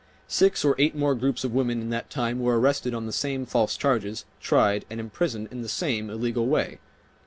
Six or eight more groups of women in that time were arrested on the same false charges, tried and imprisoned in the same illegal way.